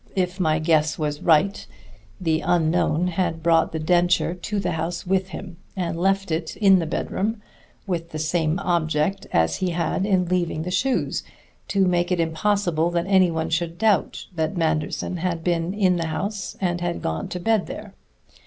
If my guess was right, the unknown had brought the denture to the house with him, and left it in the bedroom, with the same object as he had in leaving the shoes; to make it impossible that any one should doubt that Manderson had been in the house and had gone to bed there.